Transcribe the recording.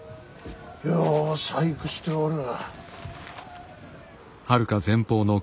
よう細工しておる。